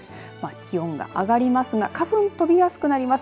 気温が上がりますが花粉、飛びやすくなります。